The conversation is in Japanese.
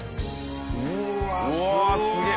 うわっすげえ！